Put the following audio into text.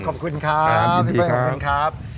ขอบคุณครับพี่เบิ้ขอบคุณครับ